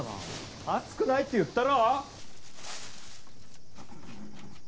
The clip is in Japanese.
暑くないって言ったろ！